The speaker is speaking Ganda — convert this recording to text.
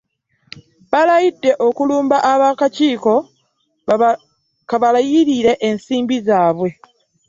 Balayidde okulumba ab'akakiiko kabaliyirire ensimbi zaabwe